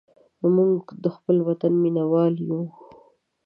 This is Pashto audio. موږ د خپل وطن مینهوال یو.